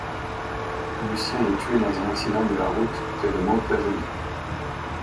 Lucien est tué dans un accident de la route près de Mantes-la-Jolie.